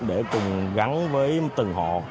để cùng gắn với từng họ